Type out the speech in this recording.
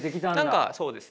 何かそうですね。